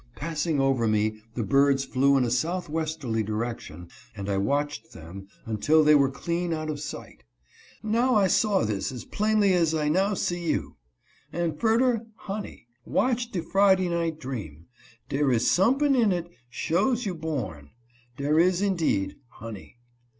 Passing over me, the birds flew in a southwesterly direction, and I watched them until they were clean out of sight. Now I saw this as plainly as I now see you ; and furder, honey, watch de Friday night dream ; dere is sumpon in it shose you born ; dere is indeed, honey."